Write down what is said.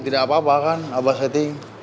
tidak apa apa kan abah setting